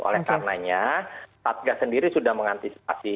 oleh karenanya satgas sendiri sudah mengantisipasi